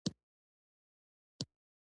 نوې ټیکنالوجې او مسلکي بشري قوه لیږدوي.